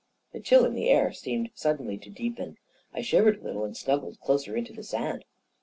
The chill in the air seemed suddenly to deepen. I shivered a little and snuggled closer into the sand.